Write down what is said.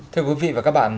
thưa quý vị và các bạn